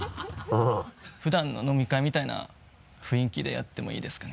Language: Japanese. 普段の飲み会みたいな雰囲気でやってもいいですかね？